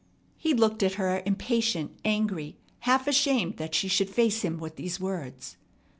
He looked at her impatient, angry, half ashamed that she should face him with these words.